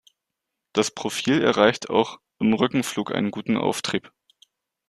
Das Profil erreicht auch im Rückenflug einen guten Auftrieb.